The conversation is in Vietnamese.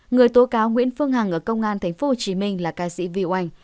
người tố cáo nguyễn phương hằng ở công an tp hcm là ca sĩ viu anh